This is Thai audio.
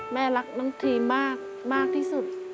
แม่รักน้องทีมมากที่สุด